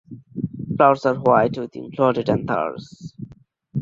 Flowers are white with included anthers.